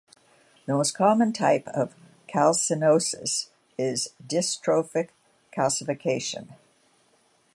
The most common type of calcinosis is dystrophic calcification.